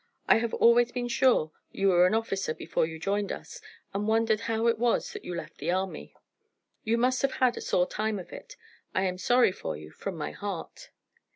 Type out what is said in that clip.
I have always been sure you were an officer before you joined us, and wondered how it was that you left the army. You must have had a sore time of it. I am sorry for you from my heart."